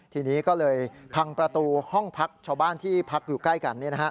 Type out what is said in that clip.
ทีนี้ก็เลยพังประตูห้องพักชาวบ้านที่พักอยู่ใกล้กัน